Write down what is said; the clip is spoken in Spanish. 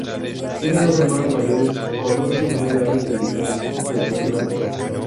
Tiene dos hermanos mayores con once y nueve años de diferencia, respectivamente.